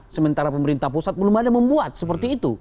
sementara pemerintah pusat belum ada membuat seperti itu